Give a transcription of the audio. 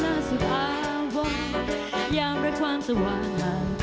และการแสดงของอาจารย์ภาษาธรรมดินทรัพย์